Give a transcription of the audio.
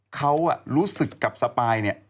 เขารู้สึกกับสปายเนี่ย